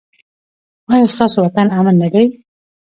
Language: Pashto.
ایا ستاسو وطن امن نه دی؟